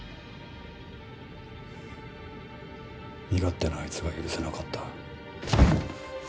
身勝手なあいつが許せなかった。